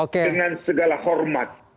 dengan segala hormat